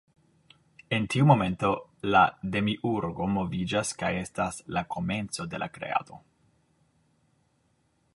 En tiu momento la Demiurgo moviĝas kaj estas la komenco de la Kreado.